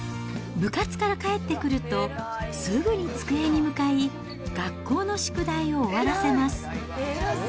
部活から帰ってくると、すぐに机に向かい、学校の宿題を終わらせます。